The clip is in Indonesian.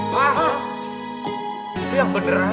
mungkin gue pindah sekolah di sini